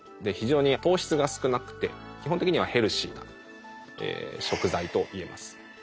非常に糖質が少なくて基本的にはヘルシーな食材といえます。